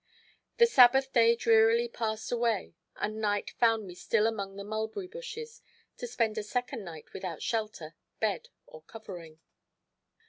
The Sabbath day drearily passed away, and night found me still among the mulberry bushes to spend a second night without shelter, bed or covering.